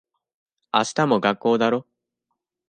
明日も学校だろ。